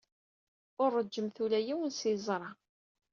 Ur ṛejjmeɣ ula yiwen s yeẓra.